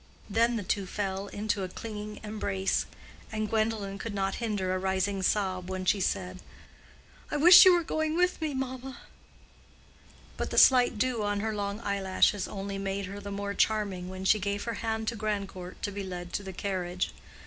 Then the two fell into a clinging embrace, and Gwendolen could not hinder a rising sob when she said, "I wish you were going with me, mamma." But the slight dew on her long eyelashes only made her the more charming when she gave her hand to Grandcourt to be led to the carriage.